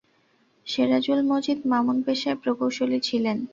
সেরাজুল মজিদ মামুন পেশায় প্রকৌশলী ছিলেন।